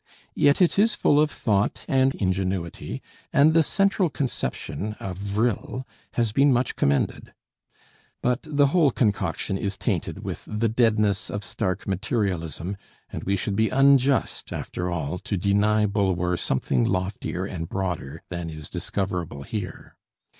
Yet it is full of thought and ingenuity, and the central conception of "vrii" has been much commended. But the whole concoction is tainted with the deadness of stark materialism, and we should be unjust, after all, to deny Bulwer something loftier and broader than is discoverable here.